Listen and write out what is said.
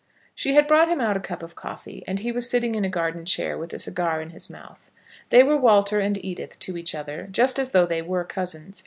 She had brought him out a cup of coffee, and he was sitting in a garden chair with a cigar in his mouth. They were Walter and Edith to each other, just as though they were cousins.